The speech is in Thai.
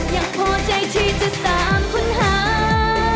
ยังพอใจที่จะตามค้นหา